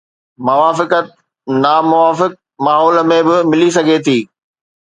موافقت ناموافق ماحول ۾ به ملي سگهي ٿي.